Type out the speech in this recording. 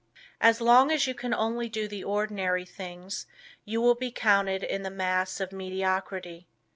As long as you can only do the ordinary things you will be counted in the mass of mediocrity.